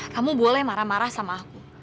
kamu boleh marah marah sama aku